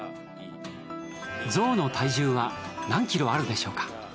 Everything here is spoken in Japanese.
ゾウの体重は何キロあるでしょうか？